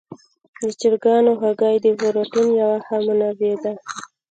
د چرګانو هګۍ د پروټین یوه ښه منبع ده.